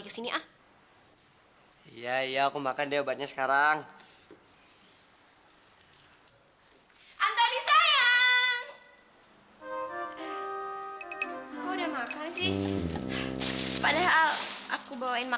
cium dulu baunya